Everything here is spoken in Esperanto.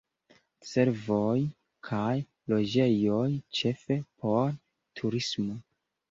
Servoj kaj loĝejoj ĉefe por turismo.